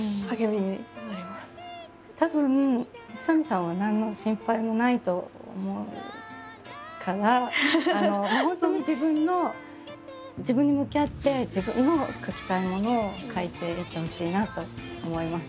たぶん宇佐見さんは何の心配もないと思うからもう本当に自分の自分に向き合って自分の書きたいものを書いていってほしいなと思います。